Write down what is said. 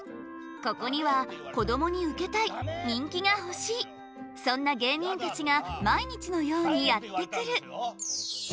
ここにはこどもにウケたい人気が欲しいそんな芸人たちが毎日のようにやって来る。